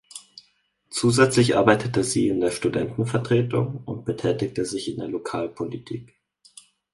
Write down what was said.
Zusätzlich arbeitete sie in der Studentenvertretung und betätigte sich in der Lokalpolitik.